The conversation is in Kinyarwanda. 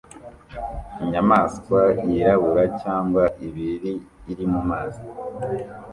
Inyamaswa yirabura cyangwa ibiri iri mumazi